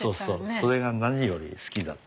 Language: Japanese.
それが何より好きだった。